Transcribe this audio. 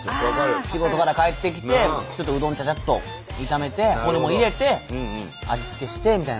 仕事から帰ってきてちょっとうどんちゃちゃっと炒めてホルモン入れて味付けしてみたいな。